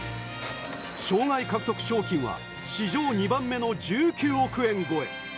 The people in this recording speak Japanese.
生涯獲得賞金は史上２番目の１９億円超え。